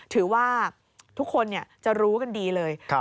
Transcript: ถือว่าทุกคนจะรู้กันดีเลย